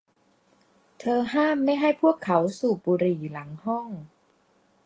เธอห้ามไม่ให้พวกเขาสูบบุหรี่หลังห้อง